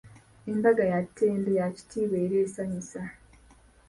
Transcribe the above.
"Embaga ya ttendo, ya kitiibwa era esanyusa."